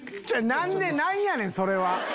何やねんそれは。